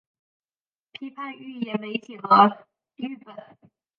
批评预言媒体和誊本